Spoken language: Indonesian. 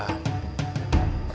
jumlahnya itu saja